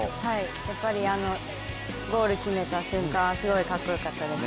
やっぱりゴール決めた瞬間、すごいかっこよかったですね。